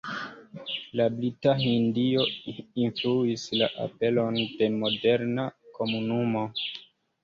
La Brita Hindio influis la aperon de moderna komunumo.